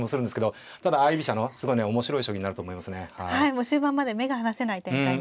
もう終盤まで目が離せない展開に。